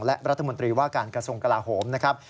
และรัฐมนตรีว่าการกระทรวงกลาโหมนะครับ